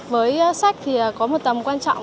với sách thì có một tầm quan trọng